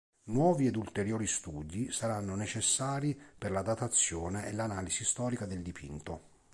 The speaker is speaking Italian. Nuovi ed ulteriori studi saranno necessari per la datazione e l'analisi storica del dipinto.